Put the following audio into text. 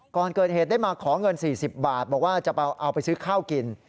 ก่อนเกิดเหตุได้มาขอเงิน๔๐บาทบอกว่าจะเอาไปซื้อข้าวกิน